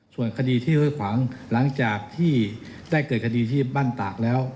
ส่วนคดีที่ห้วยขวางหลังจากที่ได้เกิดคดีที่บ้านตากแล้ว